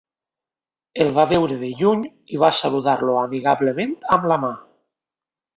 El va veure de lluny i va saludar-lo amigablement amb la mà.